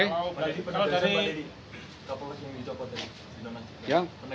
kalau dari kapolisi yang ditokot yang penegasan